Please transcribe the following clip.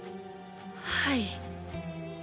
はい。